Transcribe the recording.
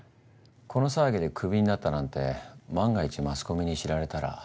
この騒ぎでクビになったなんて万が一マスコミに知られたら。